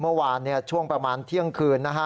เมื่อวานช่วงประมาณเที่ยงคืนนะฮะ